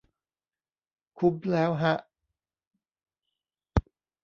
คุ้มแล้วฮะ